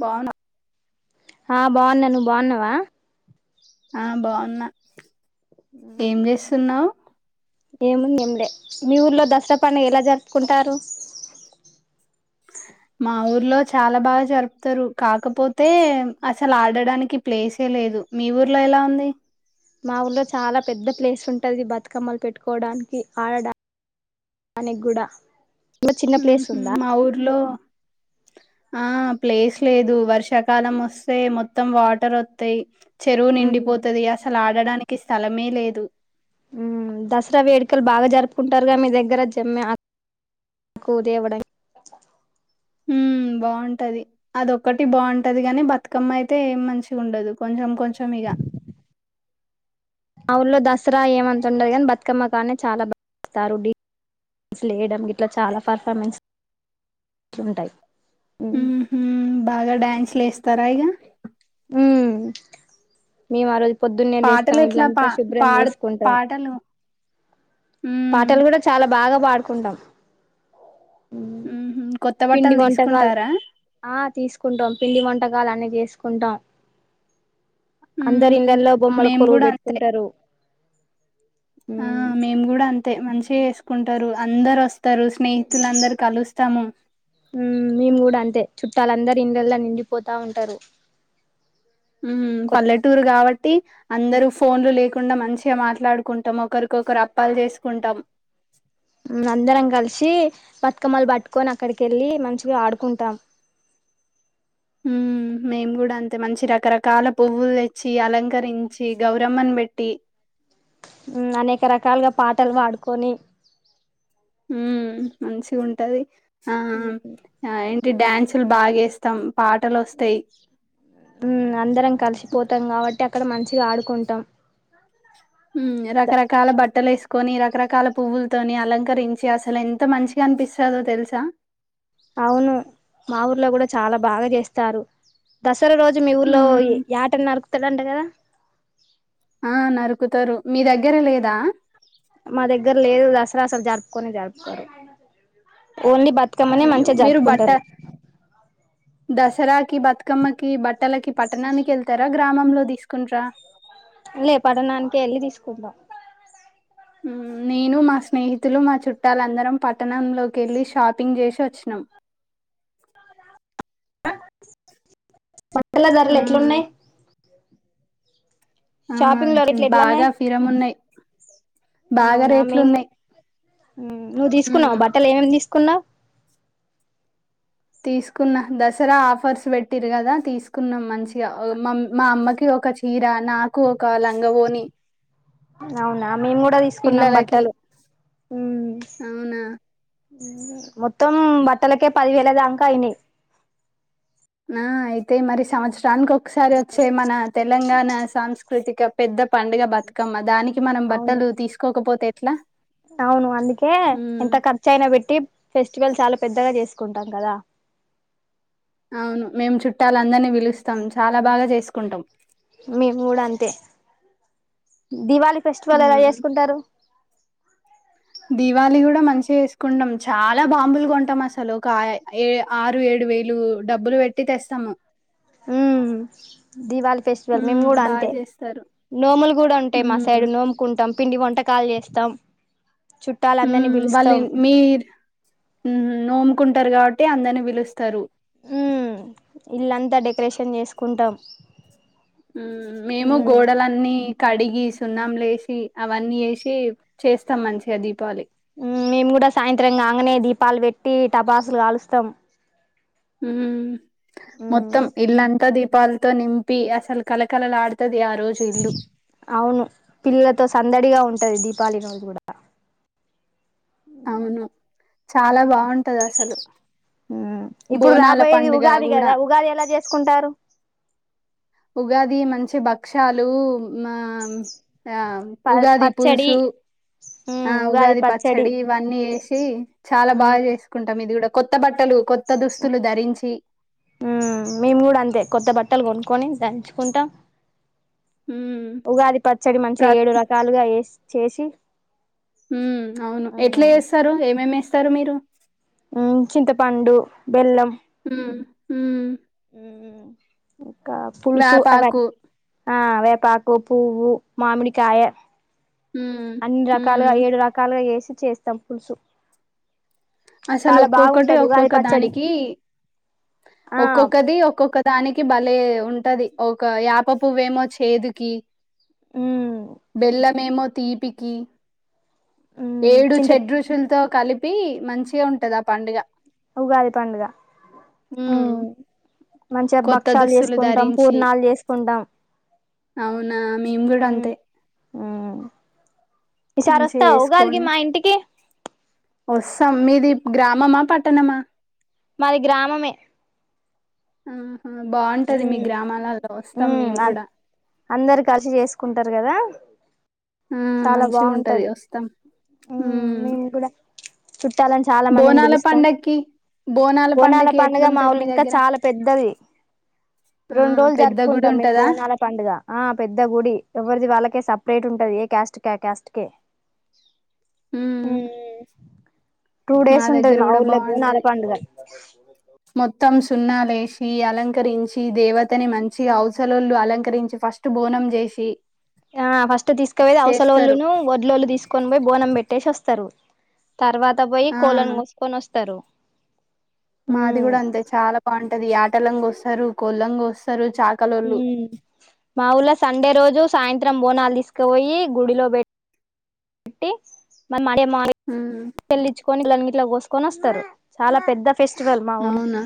బాగునా ఆ బాగున్నా నువ్వు బాగున్నావా ఆ బాగున్నా ఏం చేస్తున్నావు్ ఏముంది ఏం లే మీ ఊర్లో దసరా పండుగ ఎలా జరుపుకుంటారు మా ఊర్లో చాలా బాగా జరుపుతారు కాకపోతే అసలు ఆడడానికి ప్లేసే లేదు మీ ఊర్లో ఎలా ఉంది మా ఊర్లో చాలా పెద్ద ప్లేస్ ఉంటుంది బతుకమ్మలు పెట్టుకోవడానికి ఆడడానికి దనికి కూడా ఇంకా చిన్న ప్లేస్ హమ్ ఉందా మా ఊర్లో ఆ ప్లేస్ లేదు వర్షాకాలం వస్తే మొత్తం వాటర్ వథాయ్ చెరువు ఉమ్ నిండిపోతుంది అసలు ఆడడానికి క స్థలమే లేదు హమ్ దసరా వేడుకలు బాగా జరుపుకుంటారుగా మీ దగ్గర జమ్మి ఆకు తేవడం హ బాగుంటది అదొక్కటి బాగుంటది కాని బతుకమ్మ అయితే ఏం మంచి ఉండదు కొంచెం కొంచెం ఇక ఊలో దసరా ఏమంత ఉండారు కానీ బతుకమ్మ కానే చాలా బాస్తారు లేయడం ఇట్లా చాలా పర్ఫార్మెన్స్ ఉంటాయి ఉమ్ బాగా డ్యాన్స్లుస్త తరాా ఇగా హమ్మే మరోజ పొద్దున్నే పాటలు లేస్తాం ఎట్లా పా వీలంతా శుభ్రం పాడు చేసుకుంటాం పాటలు హ్మ్. పాటలు కూడా చాలా బాగా పాడుకుంటాం హుహు. కొత్త పిండి బట్టలు వంటకాలు తీసుకుంటారా? ఆ తీసుకుంటాం పిండి వంటకా ంగాళ అన్నీ చేసుకుంటాం అందరు హ్మ్. ఇండలో బొమ్మలు మేము కొలువు గూడా అంతే. పెట్టుకుంటారు ఆ మ్మ్ మేము కూడా అంతే మంచి చే చేసుకుంటారు అందరు వస్తారు స్నేహితులు అందరు కలుస్తాము మేము కూడా అంతే చుట్టాలందరుూ ఇండలో నిండిపోతా ఉంటారు ఉ కొత్ పల్లెటూరు కాబట్టి అందరుూ ఫోన్లు లేకుండా మంచిగా మాట్లాడుకుంటాం ఒకరికొకరు అప్పాలు చేసుకుంటాం అందరం కలిసి బతుకమ్మలు పట్టుకొని అక్కడికి వెళ్ళి మంచిగా ఆడుకుంటాం ఉ మేము కూడా అంతే మంచి రకరకాల పువ్వులు తెచ్చి అలంకరించి గౌరమ్మను పెట్టి అనేక రకాలుగా పాటలు పాడుకొని ఉ మంచిగా ఉంటది ఆఆ ఆ డ్యాన్సులు బాగా ఏస్తాం పాటలు వస్తాయి. మత్తం కాబట్టి అక్కడ మంచిగా ఆడుకొంటాం. ఉం రకరకాల బట్టలు వేసు కొని రకరకాల పువ్వులతోని అలంకరించి అసలు ఎంత మంచిగా అనిపిస్తుందో తెలుసా అవును మా ఊర్ల కూడా చాలా బాగా చేస్తారు నా సర రోజు మీ ఊర్లో హ్మ్. యాటన్న ఎత్తలంట కదా ఆ నరుకుతరు మీ దగ్గర లేదా మా దగ్గర లేదు దసరా అసలు జరుపుకొనే జరుపుకోరు ఓన్లీ బతుకమ్మనే అయ్యో! మంచిగా మీరు బట్ట జపుకుంటారు. దసరాకి, బతుకమ్మకి బట్టలకి పట్టణానికి వెళ్తారా గ్రామంలో తీసుకుంట్రా లే పట్టణానికే వెళ్ళి తీసుకుంటాం ఉం నేను మా స్నేహితులు మా చుట్టాలందరం పట్టణంలోకి వెళ్ళి షాపింగ్ చేసి వచ్చినాం. ఉం పట్టల ధరలు హ్మ్. ఎట్లున్నాయి ఆ షాపింగ్ లో రేట్లు బాగా ఎట్లున్నాయి ఫిరం ఉన్నాయ్ బాగా అవునా రేట్లు మేము ఉన్నాయ్ నువ్వు తీసుకున్నావా బట్టలు ఏమేమి తీసుకున్నావ్ కున్నా తీసుకున్నా దసరా ఆఫర్స్ పెట్టిరు కదా తీసుకున్నాం మంచిగ మ్ మామ్మ ఒక చీరా నాకు ఒక లంగ ఒని అవునా మేము కూడా తీసుకున్నాం పిల్లలకి బట్టలు ఉమ్, అవునా మొత్తం బట్టలకే పదివేల దాంకా అయినాయ్ ఆ అయితయ్ మరి సంవత్సరానికి ఒక ఒకసారి వచ్చే మన తెలంగాణ సాంస్కృతిక పెద్ద పండుగ బతుకమ్మ దానికి మనం అవును బట్టలు తీసుకోకపోతే ఏ ట్లా అవును అందుకే ఎంత ఖర్చు అయినా పెట్టి ఫెస్టివల్ చాలా పెద్దగా చేస్త కుంటాం కదా అవును మేము చుట్టాలని అందరిని పిలుస్తాం చాలా బాగా చేసుకుంటాం. మీ మూడు అంతే దిపాళి ఫెస్టివల్ ఎలా హ్మ్. చేసుకుంటారు? దీవాలి కూడా మంచిగా చేసుకుంటాం చాలా బాంబులుగా కొంటాం అసలు ఒక ఏ ఆరు ఏడు వేలు డబ్బులు పెట్టి తెస్తాము హ్మ్ దీవళి ఫెస్టివల్ మేము హ్మ్. కూడా బా అంతే చేస్తారు. నోములు కూడా ఉంటాయి మా హ్మ్ సైడ్ నోముకుంటాం పిండి వంటకాలు చేస్తాం ఉ చుట్టాలందరినీ వాళ్ళు పిలుస్తాం మీరు ఉహ్ నోముకుంటారు కాబట్ ట్టి అందరిని పిలుస్తారు ఉ ఇల్లంతా డెకరేషన్ చేసుకుంటాం హ్మ్ మేము ఉమ్ గోడలన్నీ కడిగి సున్నాం లేసి అవన్నీ చేసి చేస్తాం మంచిగా దీపావళి హ్మ్ మేము కూడా సాయంత్రం కాంగనే దీపాలు పెట్ ట్టి టపాసులు కాలుస్తాం హ్మ్ ఉమ్ మొత్తం ఇల్లంతా దీపాల్ తో నింపి అసలు కలకల ఆడుతది ఆ రోజు ఇల్లు. అవును పిల్లలతో సందడిగా ఉంటది ది పాలి రోజు కూడా అవును చాలా బాగుంటది అసలు హ్మ్ ఇప్పుడు బోనాల రాబోయేది పండుగ ఉగాది గూడా కదా ఉగాది ఎలా చేసుకుంటారు ఉగాది మంచి భక్షలు మా ఆ ప ఉగాది పచ్చడి పులుసు ఆ ఉగాది పచ్చడి ఇవన్నీ చేసి చాలా మ్మ్ బాగా చేసుకుంటాం ఇది కూడా కొత్త బట్టలు కొత్ కొత్ మేము కూడా అంతే కొత్త బట్ ట్టలు కొనుక్కొని దంచుకుంటాం ఉమ్ ఉగాది పచ్చడి మంచిగా ప్ర- ఏడు రకాలుగా వేసి చేషి ఉ అవును ఎట్లా చేస్తారు ఎంఎంఎస్ స్తరు మీరు హ్ చింతపండు బెల్లం హ్మ్ హ్మ్ మ్మ్ పులుసు ఆవ్ వేపాకు ఆ వేపాకు పువ్వు మామిడి కాయ ఉమ్ అన్ని ఉమ్ రకాలుగా ఏడు రకాలుగా ఏసి చేస్తాం పులుసు అసలు చాలా ఒక్కొక్కటి బాగుంటది ఉగాది ఒక్కొక్క పచ్చడి దానికి ఆ ఒక్కొక్కది ఒక్ ఒకదానికి భలే ఉంటది ఒక యాప పువ్వేమో చేదుకి మ్మ్ బెళ్ల్ళ మేమో తీపికి హ్మ్ ఏడు చింత ఛేడ్ రుచుల్తో కలిపి మంచిగ ఉంటద్ ఆ పండుగ ఉగాది పండుగ ఉమ్ మంచిగ కొత్త బక్షాల్ దుస్తులు చేసుకుంటం పూర్ణాల్ చేసుకుంటం అవున ఆ మేమ్ గుడ్ అంతే ఊమ్ మంచిగ చేస్కొని ఒస్తాం మీది గ్రామమా పట్టణమా మాది గ్రామమే ఆ ఉం ఉమ్ మేము అన్ కూడా అందరు కలిసి చేసుకుంటర్ కదా ఆ చాలా మంచిగా ఉంటది బాగుంటది. వస్తాం ఉమ్ చుట్టాలని చాలా మందిని బోనాల పిలుస్తాం. పండక్కి బోనాల పండక్కి పండుగ మా ఎట్లుంటది ఊళ్ల మీ ఇంకా దగ్గర చాలా పెద్దది. ఆ రెండు రోజ్ల్ పెద్ద గుడి జరుపుకుంటాం మేం ఉంటదా బోనాల పండుగ. ఆ పెద్ద గుడి ఎవరిది వాళ్ళకే సపరేట్ ఉంటది ఏ క్యాస్ ట్ క్యా క్యాట్ కే ఉమ్ హ్మ్ టూ డేస్ ఉంటది దగ్గర మా కూడా ఊళ్ళ బోనల బాగుంటది పండుగ మొత్తం సున్నాలీషి అలంకరించి దేవతని మంచి అవసలుళు అలంకరించి ఫస్ట్ బోనం చేషి ఆ ఫస్ట్ తీసుకోవేది అవసల ఒళ్ళును గొడ్లోళ్లు తీసుకొని పోయి బనం పెట్టి టెష్ అస్తరు తర్వాత బోయి ఆ కోళలన్ కోస్కొన్ ఒస్ తరు మాది గుడ అంతే చాలా బౌన్ ది యటలన్ గోస్తారు కోళ్ళన్ గోస్తారు ఉమ్ మా ఊళ్ళ సండే రోజు సాయంత్రం బోనాల్ తీసుకుపోయి గుడిలో పెట్ ట్టి మ మడ్యం మాయి ఉమ్, చెల్లించ్కొని లంగిత్ ట్ల కోసుకొన్ అస్తరు చాలా పెద్ద ఫెస్టివల్ మా ఊర్ల అవునా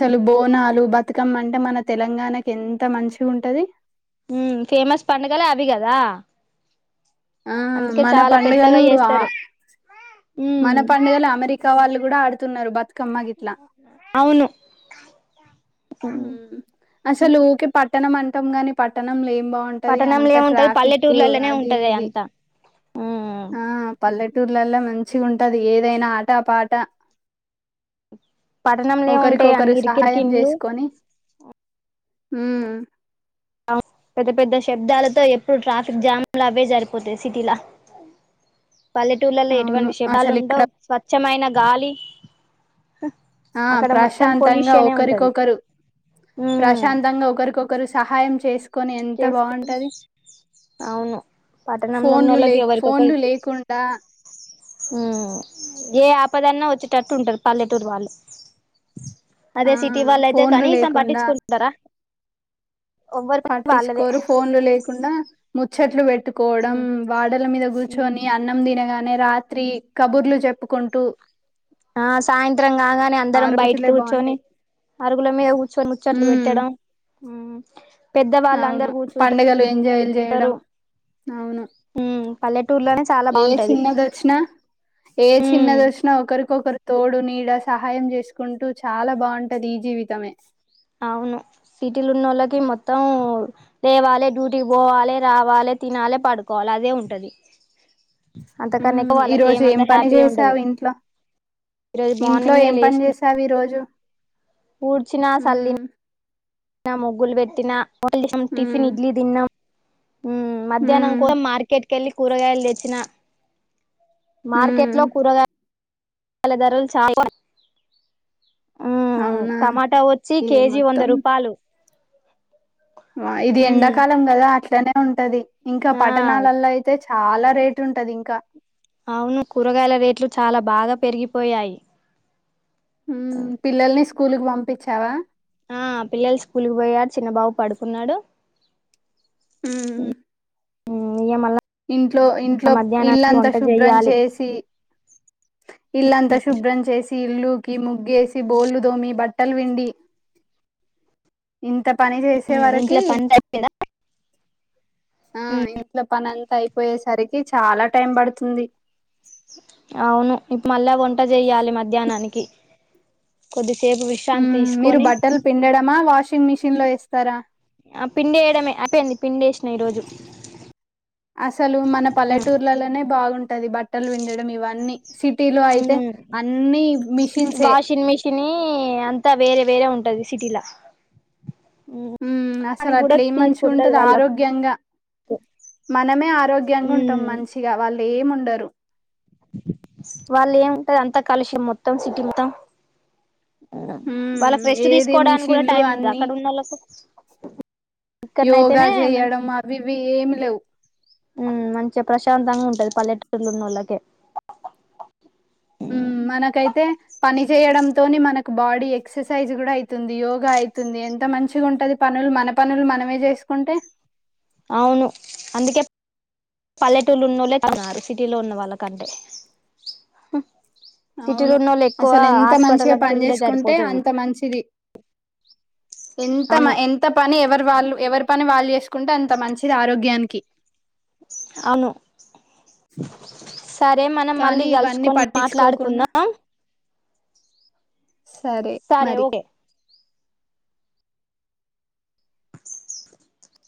చలు బోనాలు, బతుకమ్మ అంటే మన తెలంగాణకి ఎంత మంచి ఉంటది దా ఆ అందుకే మన చాలా పెద్దగా పండుగలు ఆ చేస్తారు ఉమ్ మన పండుగలు అమెరికా వాళ్ళు కూడా ఆడుతున్నారు బతు కమ్మ గిట్ల అవును అసలు ఊకే పట్టు పట్టణం అంటాం గాని పట్టణంల ఏం బాగుంటది పట్టణంలో అంత ఏముంటది ట్రాఫిక్ పల్లెటూర్లలోనే అది ఉంటది ఇది అంతా ఉమ్ ఆ పల్లెటూర్లలో మా మంచిగా ఉంటది ఏదైనా ఆట పాట పట్టనంలేముంటాయా అన్న ఇరుకు ఇరుకు ఇండ్లు హు అవునా పెద్ద పెద్ద శబ్దాలతో ఎప్పుడు ట్రాఫిక్ జామ్ లావే సరిపోతాయి సిటీలా పల్లెటూర్లలో అవును ఎటువంటి శభాలు అసలు ఇక్కడ ఉండవు స్వచ్ఛమైన గాలి ఆ అక్కడ మొత్తం ప్రాశాంతంగా పొల్యూషనే ఉంటది ఒకరికొకరు ఉమ్ ప్రాశాంతంగా ఒకరికొకరు సహాయం చేసు కోని ఎంత చేసుకో బాగుంటది అవును పట్టణంలో ఫోన్లు లే ఉన్నోళ్ళకి ఫోన్లు లేకుండా హు ఏ ఆపదన్న వచ్చేటట్టు ఉంటారు పల్లెటూరు వాళ్ళు ఆ అదే సిటీ వాళ్ళు అయితే ఫోన్లు కనీసం లేకుండా పట్టించుకుంటుంటారా పట్టించుకోరు ఫోన్లు లేకుండా ముచ్చట్లు పెట్టుకోవడం ఉమ్ వాడల మీద కూర్చొని అన్నం తినగా అని రాత్రి కబుర్లు చెప్పుకుంటూ ఆ సాయంత్రం కాగానే ఆ అందరం బయటకి రోజులే కూర్చొని బాగుంటాయి అరుగుల మీద కూర్చొని ముచ్చట్లు ఉమ్ పెట్టడం హు అవును పండగలు ఎంజాయలు చేయడం అవును మ్మ్ పల్లెటూర్లోనే చాలా ఏ బాగుంటది చిన్నది వచ్చినా ఏ మ్మ్ చిన్నది వచ్చినా ఒకరికొకరు తోడు నీడ సహాయం చేసుకుంటూ చాలా బాగుంటది ఈ జీవితమే అవును సిటీల ఉన్న వాళ్ళకి మొత్తం లేేవాలే డ్యూటీకి పోవాలి రావాలి తినాలి పడుకోవాలి అదే ఉంటది హు అంతకన్నా ఎక్కువ వాళ్ళకి ఈరోజు ఏం ఏమంత పని హ్యాపీ ఉండదు చేసావు ఇంట్లో ఈరోజు ఇంట్లో ఏం పని చేసావు ఈ రోజు ఊడ్చిన సాల్లిన హ్మ్ నా ముగ్గులు పెట్టినా వా [inaudible] హ్మ్ టిఫిన్ ఇడ్లీ దిన్నాం ఊ మధ్యాహ్నం కూ హ్మ్ మార్కెట్ కెళ్ళి కూరగాయలు తెచ్చిన మార్కెట్ హ్మ్ లో కూరగాయ ఇయ్యాల ధరలు చాల ఆ అవునా టమాటా వచ్చి ఈ కేజీ వంద మొత్తం రూపాయలు ఇది ఉమ్ ఎండాకాలం కదా అ ఇట్లానే ఉంటది ఇంకా ఆ పట్టణాలలో అయితే చాలా రేట్ ఉంటది ఇంకా అవును కూరగాయల రేట్లు చాలా బాగా పెరిగిపోయాయి పిల్లల్ని స్కూల్కి పంపించావా ఆ పిల్లలు స్కూల్కి పోయారు చిన్న బాబు పడుకున్నాడు హ్మ్ ఉమ్ ఇగ మళ్ళా ఇంట్లో ఇంట్లో మధ్యాహ్నానికి ఇల్లంతా వంట శుభ్రం చెయ్యాలి చేసి ఇల్లంతా శుభ్రం చేసి ఇల్లుకి ముగ్గేసి బోలుదోమి బట్టలు విండి ఇంత పని చేసే ఉమ్ వరకి ఇంట్లో పని అయిపోయిందా ఆ ఉమ్ ఇంట్లో పని అచ్చేసరికి చాలా టైం పడుతుంది అవును ఇప్పు మళ్ళా వంట చేయ్యాలి మధ్యాహ్నానికి కొద్ది మీరు బట్టలు పిండడమా వాష వాషింగ్ మిషన్ లో వేస్తారా ఆ పిండి వేయడమే అపి అంది పిండి వేసినా ఈ రోజు అసలు మన పల్లెటూర్లలోనే బాగుంటా ఉది బట్టలు విండడం ఇవన్నీ సిటీలో అయితే అన్ని మిషన్సే వాషింగ్ మిషిన్ అంతా వేరే వేరే ఉంటు సిటీలా ఉమ్ ఉ అసలు దానికి కూడా అట్లే ఏం మంచిగా తీరికుండదు ఉంటది వాళ్ళకు ఆరోగ్యంగా మనమే ఆరోగ్యంగా ఉంటాం మంచిగా వాళ్ళు అ ఏముండరు వాళ్ళు ఏముంటారు అంతా కాలుష్యం మొత్తం సికితం వాళ్ళ మ్మ్ ఫ్రెస్ట్ ఏది తీసుకోవడానికి కూడా మిషన్లు టైమ్ ఉంటుంది అన్ని అక్కడ ఉన్న వాళ్ళ యోగా మం చేయడం అవివి ఏమి లేవు మంచిగా ప్రశాంతంగా ఉంటంది పల్లెటూరులోన్న వాళ్ళకే ఉ మనకైతే పని చేయడంతోని మనకు బాడీ ఎక్ససైజ్ కూడా అవుతుంది యోగా అవుతుంది ఎంత మంచిగా ఉంటది పనులు మన పనులు మనమే చేసుకుంటే అవును అందుకే పల్లెటూళ్ళ ఉన్నోళ్లేన్నారు సిటీలో ఉన్న వాళ్ళకంటే సిటీలో అవును ఉన్నోళ్ళు ఎక్కువ అసలు ఎంత మంచిగా హాస్పిటల్కి పని తిరుగుడే చేసుకుంటే సరిపోతది అంత మంచిది ఎ అవును ఎంత పని ఎవరు వాళ్ళు ఎవరి పని వాళ్ళు చేసుకుంటే అంత మంచిది ఆరోగ్యానికి అవును సరే మనం కానీ మళ్ళీ ఇవన్నీ కలుసుకొని పట్టించుకోకుండా మాట్లాడుకుందాం సరే మరి